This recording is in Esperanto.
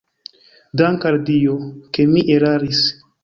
Dank' al Dio, ke mi eraris!